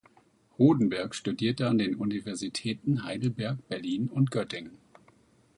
Hodenberg studierte an den Universitäten Heidelberg, Berlin und Göttingen.